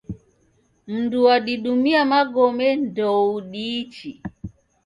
Mundu wadidumia magome ndoudiichi